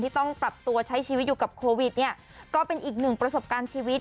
ต้องปรับตัวใช้ชีวิตอยู่กับโควิดเนี่ยก็เป็นอีกหนึ่งประสบการณ์ชีวิต